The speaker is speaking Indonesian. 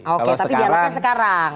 oke tapi dialahkan sekarang